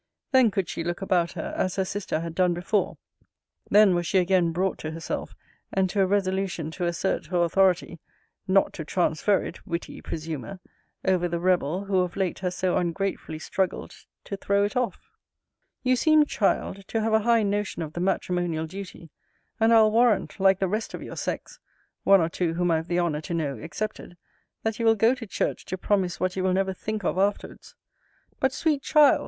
Then could she look about her, as her sister had done before: then was she again brought to herself, and to a resolution to assert her authority [not to transfer it, witty presumer!] over the rebel, who of late has so ungratefully struggled to throw it off. You seem, child, to have a high notion of the matrimonial duty; and I'll warrant, like the rest of your sex, (one or two, whom I have the honour to know, excepted,) that you will go to church to promise what you will never think of afterwards. But, sweet child!